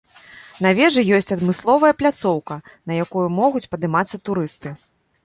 На вежы ёсць адмысловая пляцоўка, на якую могуць падымацца турысты.